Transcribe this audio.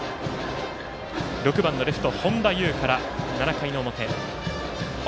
６番のレフト本多優から７回の表。